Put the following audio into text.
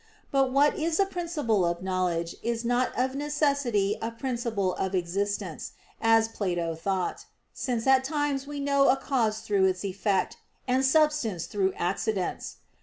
But what is a principle of knowledge is not of necessity a principle of existence, as Plato thought: since at times we know a cause through its effect, and substance through accidents.